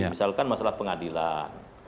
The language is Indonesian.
misalkan masalah pengadilan